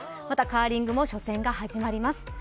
またカーリングも初戦が始まります。